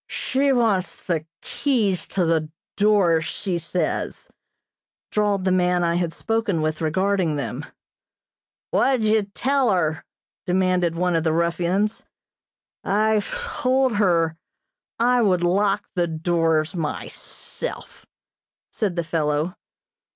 "She wants the keys to the doors, she says," drawled the man I had spoken with regarding them. "What did ye tell her?" demanded one of the ruffians. "I told her I would lock the doors myself," said the fellow.